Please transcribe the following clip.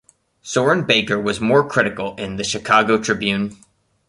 Soren Baker was more critical in the "Chicago Tribune".